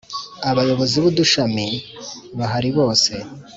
Abayobozi b ‘Udushami bahari bose.